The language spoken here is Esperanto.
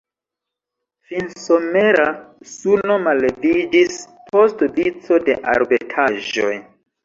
Finsomera suno malleviĝis post vico da arbetaĵoj.